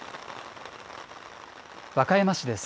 和歌山市です。